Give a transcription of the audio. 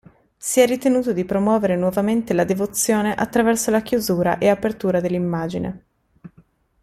Si è ritenuto di promuovere nuovamente la devozione attraverso la chiusura e apertura dell'immagine.